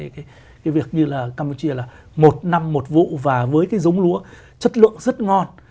cái việc như là campuchia là một năm một vụ và với cái giống lúa chất lượng rất ngon